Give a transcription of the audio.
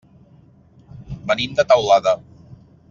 Venim de Teulada.